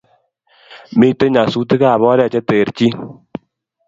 Mitei nyasutikab oret che terchin